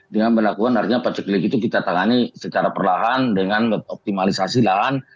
dengan melakukan harga pencegah itu kita tangani secara perlahan dengan optimalisasi lahan